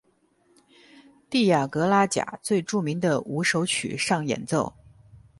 蒂亚格拉贾最著名的五首曲上演奏。